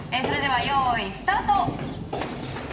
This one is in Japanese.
それではよいスタート！